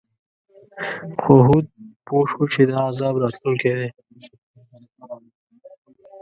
خو هود پوه شو چې دا عذاب راتلونکی دی.